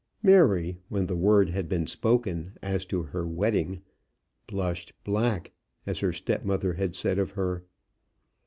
Mary, when the word had been spoken as to her wedding, "blushed black" as her stepmother had said of her.